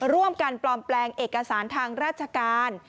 ร่วมกันปลอมแปลงเอกสารทางราชการ